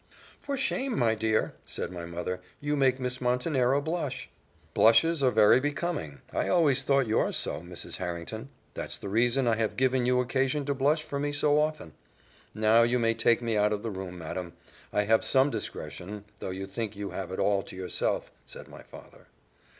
"For shame, my dear," said my mother; "you make Miss Montenero blush!" "Blushes are very becoming I always thought yours so, Mrs. Harrington that's the reason I have given you occasion to blush for me so often. Now you may take me out of the room, madam. I have some discretion, though you think you have it all to yourself," said my father.